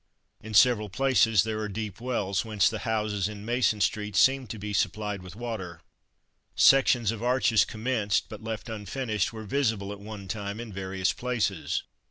In several places there are deep wells, whence the houses in Mason Street seem to be supplied with water. Sections of arches commenced, but left unfinished, were visible at one time in various places.